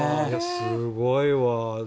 すごいわ。